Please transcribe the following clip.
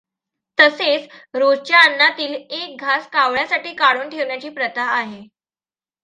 तसेच रोजच्या अन्नातील एक घास कावळ्यासाठी काढून ठेवण्याची प्रथा आहे.